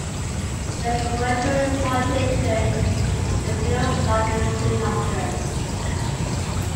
The commercial exploitation of the field started soon after.